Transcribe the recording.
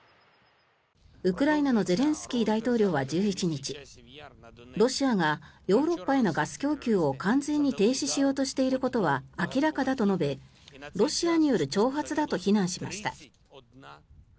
ウクライナのゼレンスキー大統領は１１日ロシアがヨーロッパへのガス供給を完全に停止しようとしていることは明らかだと述べロシアによる挑発だと非難しました。